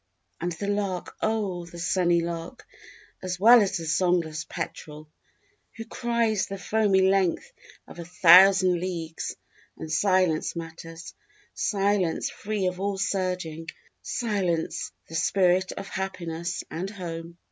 _ _And the lark oh the sunny lark as well as the songless petrel, Who cries the foamy length of a thousand leagues. And silence matters, silence free of all surging, Silence, the spirit of happiness and home.